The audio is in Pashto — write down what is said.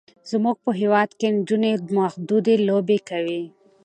زمونږ په هیواد کې نجونې محدودې لوبې کوي.